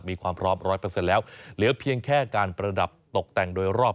มีความพร้อม๑๐๐แล้วเหลือเพียงแค่การประดับตกแต่งโดยรอบ